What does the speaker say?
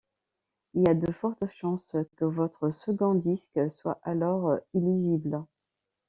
Il y a de fortes chances que votre second disque soit alors illisible.